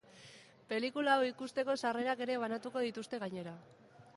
Pelikula hau ikusteko sarrerak ere banatuko dituzte gainera.